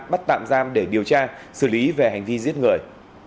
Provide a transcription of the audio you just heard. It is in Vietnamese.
bắt tạm giam để điều tra xử lý về hành vi giết người